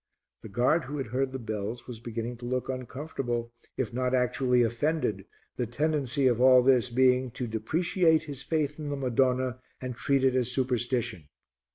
The guard who had heard the bells was beginning to look uncomfortable, if not actually offended, the tendency of all this being to depreciate his faith in the Madonna and treat it as superstition.